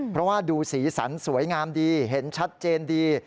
เพราะว่าดูสีสันสวยงามดีเห็นชัดเจนดี